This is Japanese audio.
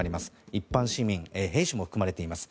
一般市民、兵士も含まれています。